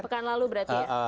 pekan lalu berarti ya